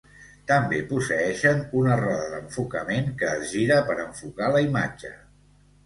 També posseeixen una roda d'enfocament que es gira per enfocar la imatge.